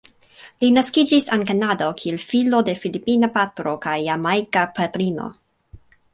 Li naskiĝis en Kanado kiel filo de filipina patro kaj jamajka patrino.